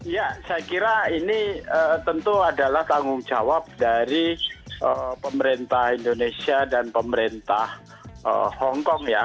ya saya kira ini tentu adalah tanggung jawab dari pemerintah indonesia dan pemerintah hongkong ya